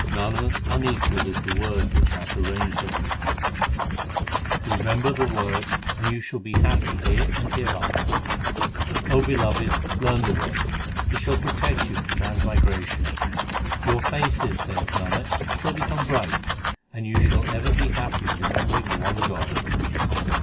Nanak, unequalled is the Word which hath arranged everything. HYMNS OF GURU ARJAN 275 Remember the Word and you shall be happy here and hereafter : beloved, learn the Word ; it shall protect you from transmigration : Your faces, saith Nanak, shall become bright, and you shall ever be happy remembering the one God.